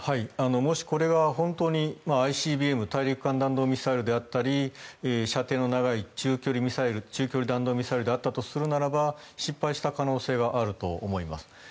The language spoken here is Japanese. もしこれが本当にＩＣＢＭ・大陸間弾道ミサイルであったり射程の長い中距離弾道ミサイルだったとするならば失敗した可能性があると思います。